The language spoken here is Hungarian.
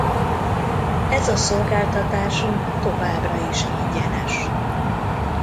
Ez a szolgáltatásunk továbbra is ingyenes.